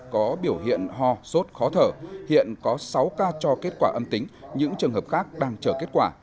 có biểu hiện ho sốt khó thở hiện có sáu ca cho kết quả âm tính những trường hợp khác đang chờ kết quả